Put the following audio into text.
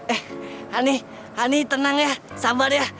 eh hani hani tenang ya sabar ya